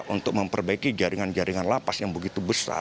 untuk memperbaiki jaringan jaringan lapas yang begitu besar